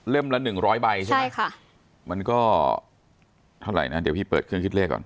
ละ๑๐๐ใบใช่ไหมใช่ค่ะมันก็เท่าไหร่นะเดี๋ยวพี่เปิดเครื่องคิดเลขก่อน